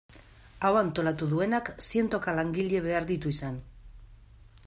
Hau antolatu duenak zientoka langile behar ditu izan.